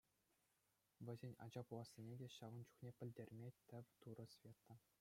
Вӗсен ача пулассине те ҫавӑн чухне пӗлтерме тӗв турӗ Света.